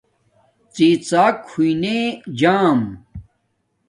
ڎی ڎاک ہوئئ نے جام